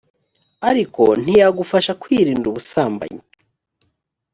ariko ntiyagufasha kwirinda ubusambanyi